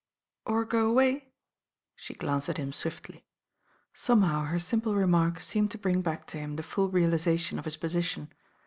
"Or go away," she glanced at him swiftly. bomehow her simple remark seemed to bring back to hun the full realisation of his position.